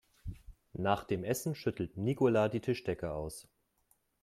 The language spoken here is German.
Nach dem Essen schüttelt Nicola die Tischdecke aus.